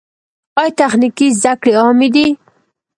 آیا تخنیکي زده کړې عامې دي؟